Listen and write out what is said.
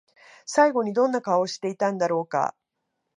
最後にどんな顔をしていたんだろうか？